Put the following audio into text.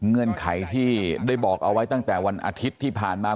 เงื่อนไขที่ได้บอกเอาไว้ตั้งแต่วันอาทิตย์ที่ผ่านมา